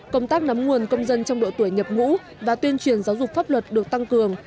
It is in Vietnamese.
công tác nắm nguồn công dân trong độ tuổi nhập ngũ và tuyên truyền giáo dục pháp luật được tăng cường